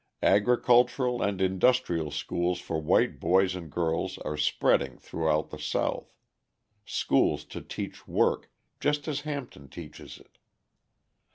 Agricultural and industrial schools for white boys and girls are spreading throughout the South: schools to teach work, just as Hampton teaches it.